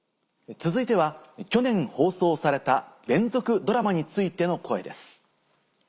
続いては去年放送された連続ドラマについての声です。